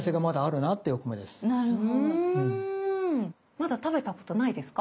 まだ食べたことないですか？